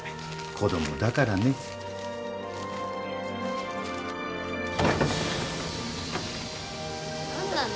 子供だからね。何なの？